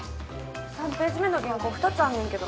３ページ目の原稿２つあんねんけど。